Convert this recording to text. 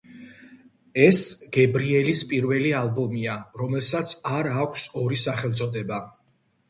ეს გებრიელის პირველი ალბომია, რომელსაც არ აქვს ორი სახელწოდება.